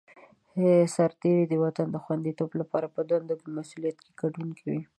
سرتېری د وطن د خوندیتوب لپاره په دندو او مسوولیتونو کې ګډون کوي.